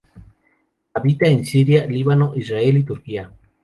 Habita en Siria, Líbano, Israel y Turquía.